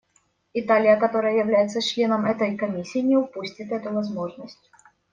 Италия, которая является членом этой Комиссии, не упустит эту возможность.